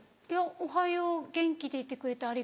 「おはよう元気でいてくれてありがとう」。